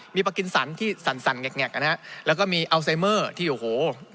มีปลากินสันที่สั่นแกกนะฮะแล้วก็มีอัลไซเมอร์ที่โอ้โห